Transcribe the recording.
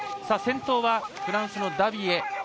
先頭はフランスのダビエ。